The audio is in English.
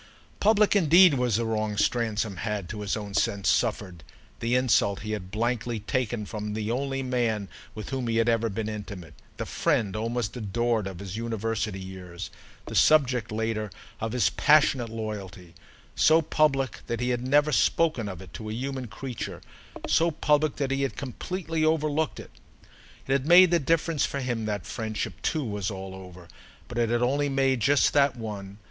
Public indeed was the wrong Stransom had, to his own sense, suffered, the insult he had blankly taken from the only man with whom he had ever been intimate; the friend, almost adored, of his University years, the subject, later, of his passionate loyalty: so public that he had never spoken of it to a human creature, so public that he had completely overlooked it. It had made the difference for him that friendship too was all over, but it had only made just that one.